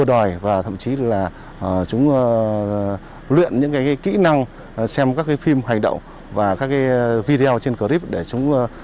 đi dàn hàng ngang